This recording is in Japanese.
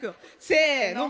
せの！